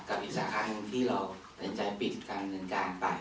คือสาขานึงที่เราเป็นใจปิดการเงินการไป